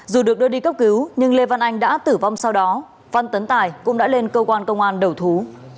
dù được đưa đi cấp cứu nhưng lê văn anh đã tử vong sau đó phan tấn tài cũng đã lên cơ quan công an đầu thú